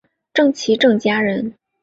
郑琦郑家人。